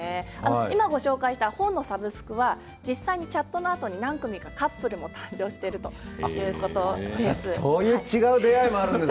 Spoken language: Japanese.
今、ご紹介した本のサブスクは実際にチャットなどで何組かカップルも成立しているということです。